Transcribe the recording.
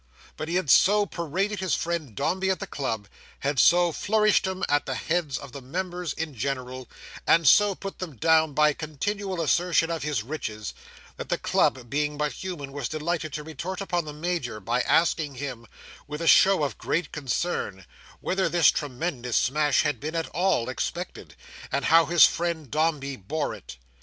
But he had so paraded his friend Dombey at the club; had so flourished him at the heads of the members in general, and so put them down by continual assertion of his riches; that the club, being but human, was delighted to retort upon the Major, by asking him, with a show of great concern, whether this tremendous smash had been at all expected, and how his friend Dombey bore it.